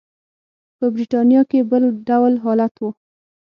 په برېټانیا کې بل ډول حالت و.